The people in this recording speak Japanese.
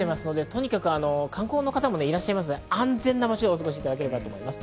とにかく観光の方もいらっしゃいますので安全な場所でお過ごしいただきたいです。